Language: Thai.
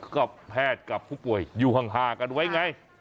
ก็แพทย์กับผู้ป่วยอยู่ห่างกันไว้ไง